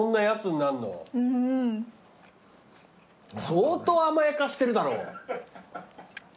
相当甘やかしてるだろ！